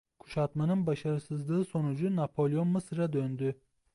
Kuşatmanın başarısızlığı sonucu Napolyon Mısır'a döndü.